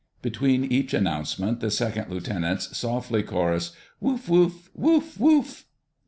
Between each announcement, the second lieutenants softly chorused: "Woof, woof! Woof, woof!"